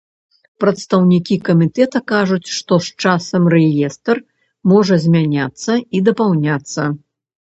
Прадстаўнікі камітэта кажуць, што з часам рэестр можа змяняцца і дапаўняцца.